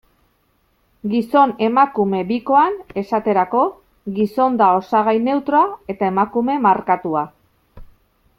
Gizon-emakume bikoan, esaterako, gizon da osagai neutroa, eta emakume markatua.